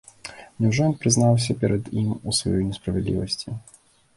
Няўжо ён прызнаўся перад ім у сваёй несправядлівасці?